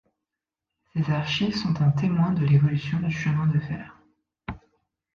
Ses archives sont un témoin de l'évolution du chemin de fer.